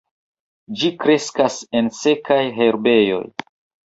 Ĝi kreskas en sekaj herbejoj.